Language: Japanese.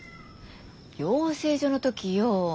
養成所の時よ。